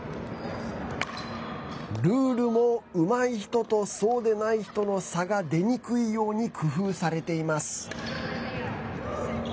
ルールもうまい人とそうでない人の差が出にくいように工夫されています。